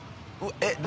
えっ